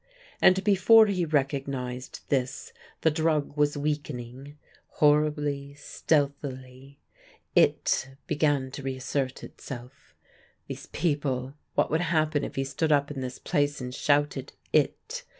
And before he recognised this the drug was weakening. Horribly, stealthily, It began to reassert itself. These people what would happen if he stood up in his place and shouted _It?